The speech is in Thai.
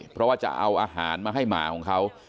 เพราะว่าจะเอาอาหารมาให้หมาของเขา